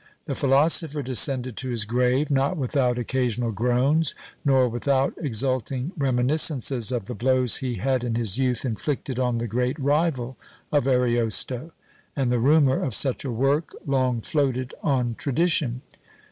The philosopher descended to his grave not without occasional groans nor without exulting reminiscences of the blows he had in his youth inflicted on the great rival of Ariosto and the rumour of such a work long floated on tradition!